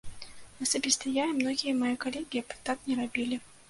Асабіста я і многія мае калегі б так не рабілі.